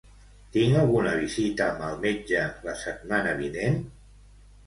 Tinc alguna visita amb el metge la setmana vinent?